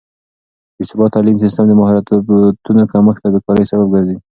بې ثباته تعليم سيستم د مهارتونو کمښت او بې کارۍ سبب ګرځي.